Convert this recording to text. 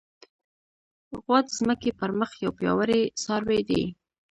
غوا د ځمکې پر مخ یو پیاوړی څاروی دی.